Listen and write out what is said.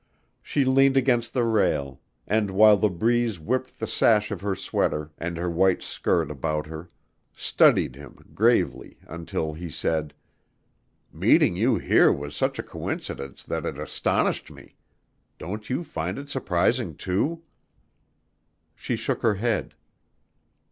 She leaned against the rail and, while the breeze whipped the sash of her sweater and her white skirt about her, studied him gravely until he said: "Meeting you here was such a coincidence that it astonished me ... don't you find it surprising, too?" She shook her head.